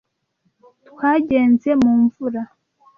"twagenze mu mvura?"